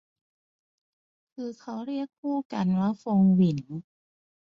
คือเค้าเรียกคู่กันว่าฟงหวิน